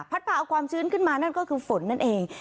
พาเอาความชื้นขึ้นมานั่นก็คือฝนนั่นเอง